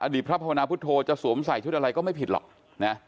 พระภาวนาพุทธโธจะสวมใส่ชุดอะไรก็ไม่ผิดหรอกนะ